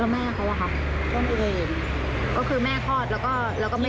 แม่เขาเป็นพอดอยู่ในโรงงานร่าดุรี